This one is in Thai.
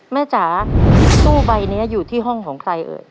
จ๋าตู้ใบนี้อยู่ที่ห้องของใครเอ่ย